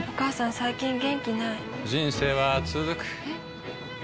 最近元気ない人生はつづくえ？